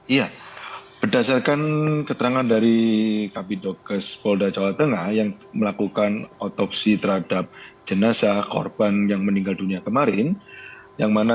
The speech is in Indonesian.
iya berdasarkan keterangan dari kabidokes polda jawa tengah yang melakukan otopsi terhadap jenazah korban yang meninggal dunia kemarin